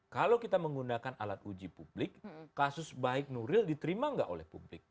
kalau kita menggunakan alat uji publik kasus baik nuril diterima nggak oleh publik